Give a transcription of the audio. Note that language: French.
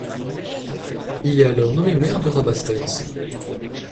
Il est alors nommé maire de Rabastens.